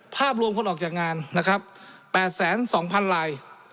ภาพรวมคนออกจากงานนะครับ๘๒๐๐๐ลาย